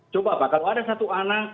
coba pak kalau ada satu anak